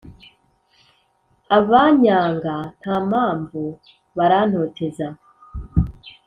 Abanyanga nta mpamvu barantoteza,